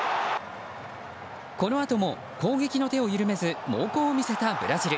このあとも攻撃の手を緩めず猛攻を見せたブラジル。